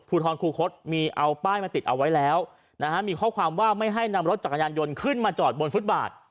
ภูทรคูคศมีเอาป้ายมาติดเอาไว้แล้วนะฮะมีข้อความว่าไม่ให้นำรถจักรยานยนต์ขึ้นมาจอดบนฟุตบาท